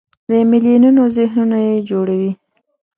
د میلیونونو ذهنونه یې جوړوي.